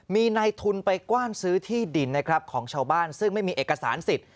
มีในทุนไปกว้านซื้อที่ดินนะครับของชาวบ้านซึ่งไม่มีเอกสารสิทธิ